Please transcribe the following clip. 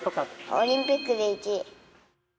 オリンピックで１位。